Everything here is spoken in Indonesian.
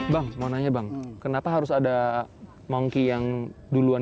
bang mau nanya bang kenapa harus ada mongki yang duluan